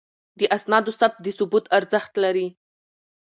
د اسنادو ثبت د ثبوت ارزښت لري.